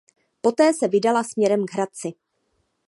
Poté se vydala směrem k Hradci.